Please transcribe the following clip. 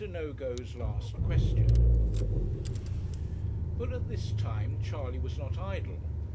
NOGO'S LAST QUESTION But at this time Charley was not idle.